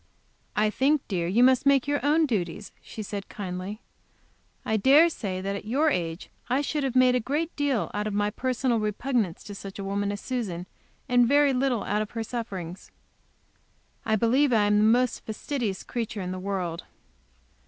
"I think, dear, you must make your own duties," she said kindly. "I dare say that at your age I should have made a great deal out of my personal repugnance to such a woman as Susan, and very little out of her sufferings." I believe I am the most fastidious creature in the world.